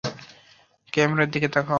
ক্যামেরার দিকে তাকাও।